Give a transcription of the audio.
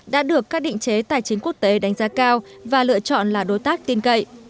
đã được các định chế tài chính quốc tế đánh giá cao và lựa chọn là đối tác tin cậy